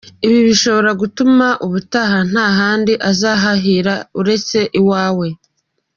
Ibi bishobora gutuma ubutaha nta handi azahahira uretse iwawe.